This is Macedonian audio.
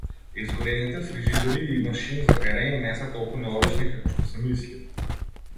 Изгорените фрижидери и машини за перење не се толку необични како што се мисли.